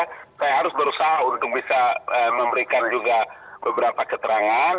saya harus berusaha untuk bisa memberikan juga beberapa keterangan